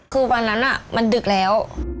คือวันนั้นมันดึกแล้ว